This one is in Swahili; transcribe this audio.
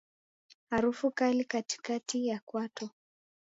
Harufu kali katikati ya kwato